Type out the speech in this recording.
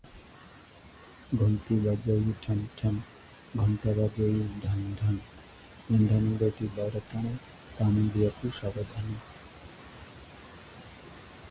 It is peer-reviewed, and is published quarterly.